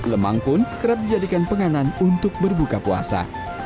lemang pun kerap dijadikan penganan untuk berbuka puasa